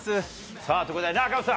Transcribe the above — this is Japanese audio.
さあ、ということで、赤星さん、